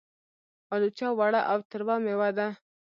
الوچه وړه او تروه مېوه ده.